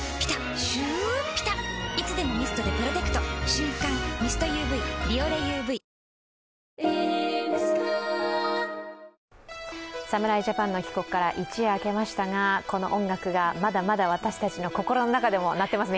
瞬感ミストＵＶ「ビオレＵＶ」侍ジャパンの帰国から一夜明けましたがこの音楽がまだまだ私たちの心の中でも鳴っていますね。